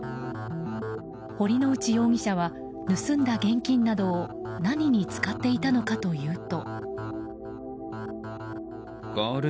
堀之内容疑者は盗んだ現金などを何に使っていたのかというと。